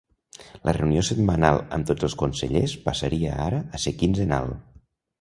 La reunió setmanal amb tots els consellers passaria ara a ser quinzenal.